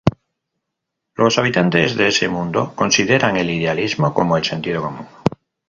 Los habitantes de ese mundo consideran al idealismo como el sentido común.